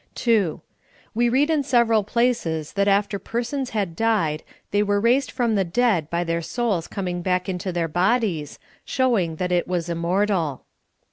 //. We read in several places that after persons had died, they were raised from the dead by their souls coming back into their bodies, showing that it was immortal.